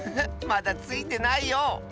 まだついてないよ。